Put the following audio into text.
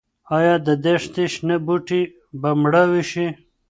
ايا د دښتې شنه بوټي به مړاوي شي؟